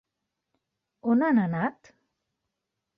On han anat?